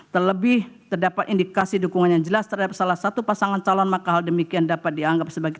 terlebih terdapat indikasi dukungan yang jelas terhadap salah satu pasangan calon maka hal demikian dapat dianggap sebagai